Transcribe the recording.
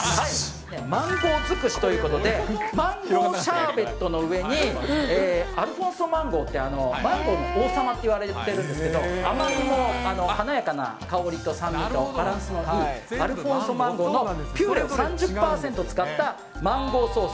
マンゴー尽くしということで、マンゴーシャーベットの上にアルフォンソマンゴーってマンゴーの王様といわれてるんですけど、甘みも華やかな香りと酸味と、バランスのいいアルフォンソマンゴーのピューレを３０％使ったマンゴーソース。